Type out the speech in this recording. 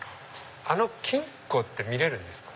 あの金庫って見れるんですか？